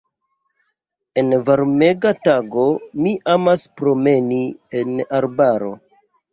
En varmega tago mi amas promeni en arbaro.